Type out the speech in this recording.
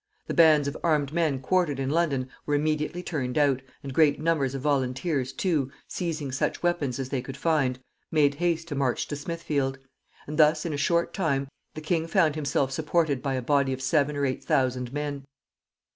The bands of armed men quartered in London were immediately turned out, and great numbers of volunteers too, seizing such weapons as they could find, made haste to march to Smithfield; and thus, in a short time, the king found himself supported by a body of seven or eight thousand men.